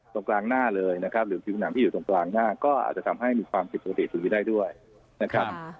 ตรงกลางหน้าเลยนะครับหรือผิวหนังที่อยู่ตรงกลางหน้าก็อาจจะทำให้มีความผิดปกติชีวิตได้ด้วยนะครับ